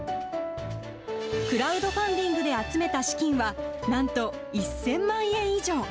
クラウドファンディングで集めた資金は、なんと１０００万円以上。